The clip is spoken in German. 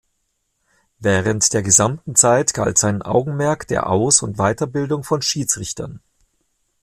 Während der gesamten Zeit galt sein Augenmerk der Aus- und Weiterbildung von Schiedsrichtern.